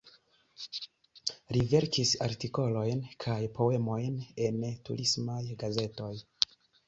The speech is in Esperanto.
Li verkis artikolojn kaj poemojn en turismaj gazetoj.